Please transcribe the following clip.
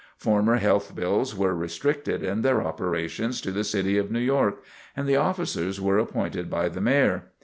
Former health bills were restricted in their operations to the city of New York, and the officers were appointed by the Mayor.